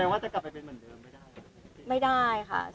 แสดงว่าจะกลับไปเป็นเหมือนเดิมไม่ได้ไหม